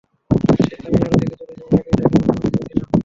সে তামিল নাড়ু থেকে চলে যাওয়ার আগেই তাকে বউ বানাতে চেয়েছিলাম।